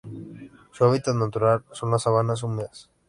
Su hábitat natural son las sabanas húmedas.